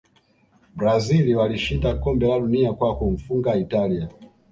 brazil walishinda kombe la dunia kwa kumfunga italia